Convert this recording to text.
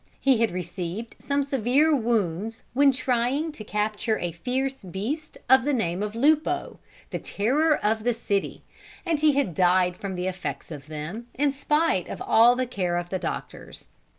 He had received some severe wounds when trying to capture a fierce beast of the name of Lupo, the terror of the city, and he had died from the effects of them in spite of all the care of the doctors.